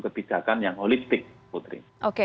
kebijakan yang politik putri